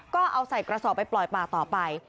ก็เอาใส่กระสอบไปปล่อยป่าต่อไป